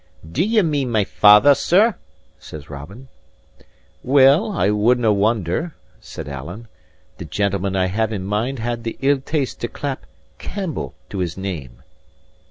"Do ye mean my father, sir?" says Robin. "Well, I wouldnae wonder," said Alan. "The gentleman I have in my mind had the ill taste to clap Campbell to his name."